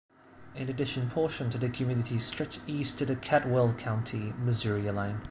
In addition portions of the community stretch east to the Caldwell County, Missouri line.